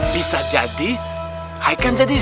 bisa jadi haikal jadi sorban